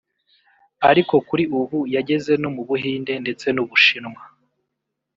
ariko kuri ubu yageze no mu Buhinde ndetse n’u Bushinwa